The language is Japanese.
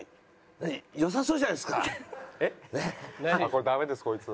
これダメですこいつ。